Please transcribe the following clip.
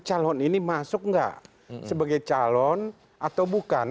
calon ini masuk nggak sebagai calon atau bukan